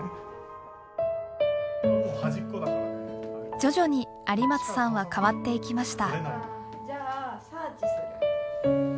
徐々に有松さんは変わっていきました。